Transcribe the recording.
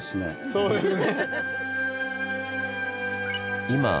そうですね